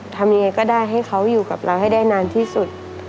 ทำยังไงก็ได้ให้เขาอยู่กับเราให้ได้นานที่สุด